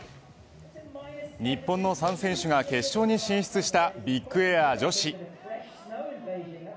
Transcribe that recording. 日本の３選手が決勝に進出したビッグエア女子。